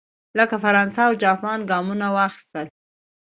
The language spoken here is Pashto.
لکه فرانسه او جاپان ګامونه واخیستل.